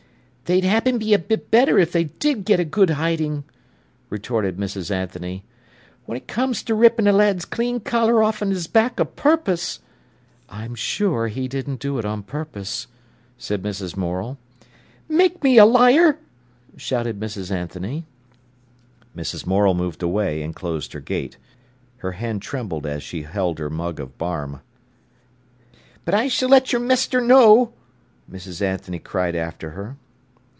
"They'd happen be a bit better if they did get a good hiding," retorted Mrs. Anthony. "When it comes ter rippin' a lad's clean collar off'n 'is back a purpose—" "I'm sure he didn't do it on purpose," said Mrs. Morel. "Make me a liar!" shouted Mrs. Anthony. Mrs. Morel moved away and closed her gate. Her hand trembled as she held her mug of barm. "But I s'll let your mester know," Mrs. Anthony cried after her.